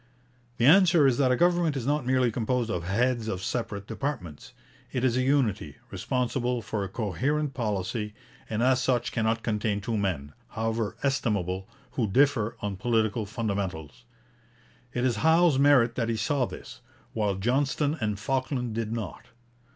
The answer is that a government is not merely composed of heads of separate departments. It is a unity, responsible for a coherent policy, and as such cannot contain two men, however estimable, who differ on political fundamentals. It is Howe's merit that he saw this, while Johnston and Falkland did not.